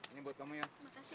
ini buat kamu yun